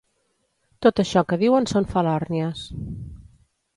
Tot això que diuen són falòrnies.